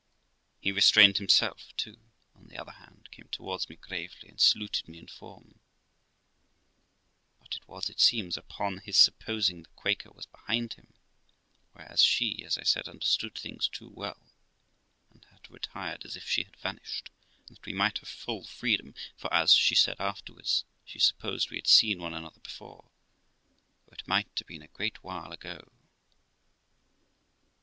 He restrained himself too, on the other hand, came towards me gravely, and saluted me in form; but it was, it seems, upon his supposing the Quaker was behind him, whereas she, as I said, understood things too well, and had retired as if she had vanished, that we might have full freedom; for, as she said afterwards, she supposed we had seen one another before, though it might have been a great while ago.